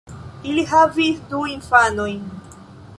Ili havis du infanojn.